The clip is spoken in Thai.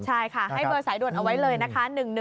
ใช่ค่ะให้เบอร์สายด่วนเอาไว้เลยนะคะ